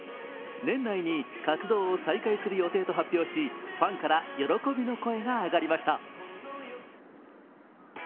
年内に活動を再開する予定と発表しファンから喜びの声が上がりました。